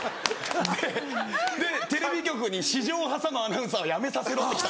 でテレビ局に「私情を挟むアナウンサーは辞めさせろ」って来た。